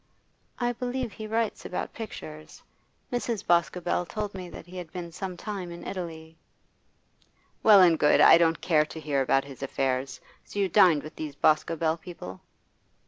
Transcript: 'I believe he writes about pictures. Mrs. Boscobel told me that he had been some time in Italy.' 'Well and good; I don't care to hear about his affairs. So you dined with these Boscobel people?